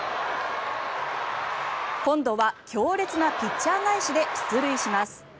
今度は強烈なピッチャー返しで出塁します。